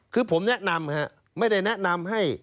คือผมแนะนำครับไม่ได้แนะนำให้